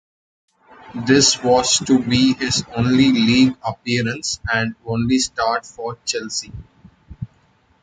This was to be his only league appearance and only start for Chelsea.